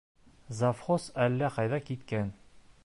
Завхоз әллә ҡайҙа киткән.